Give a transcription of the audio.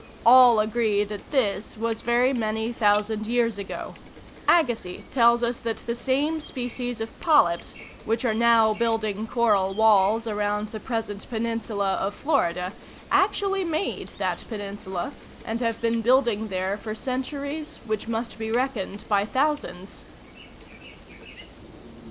All agree that this was very many thousand years ago. Agassiz tells us that the same species of polyps which are now building coral walls around the present peninsula of Florida actually made that peninsula, and have been building there for centuries which must be reckoned by thousands.